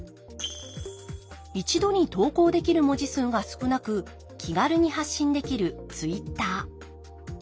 一度に投稿できる文字数が少なく気軽に発信できるＴｗｉｔｔｅｒ。